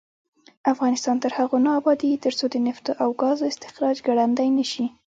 افغانستان تر هغو نه ابادیږي، ترڅو د نفتو او ګازو استخراج ګړندی نشي.